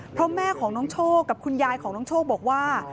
เพราะแม่ของน้องโชคกับคุณยายของน้องโชคบอกว่า